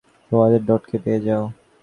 কেসটা অনুসরণ করো আর হোয়াইট ডেথকে পেয়ে যাও।